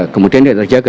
kemudian dia terjaga